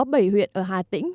và bảy huyện ở hà tĩnh